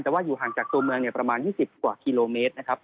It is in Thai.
แต่ว่าอยู่ห่างจากตัวเมืองประมาณ๒๐กว่ากิโลเมตรนะครับ